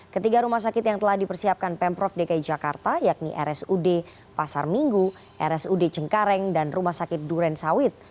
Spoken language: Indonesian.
ketiga rumah sakit yang telah dipersiapkan pemprov dki jakarta yakni rsud pasar minggu rsud cengkareng dan rumah sakit duren sawit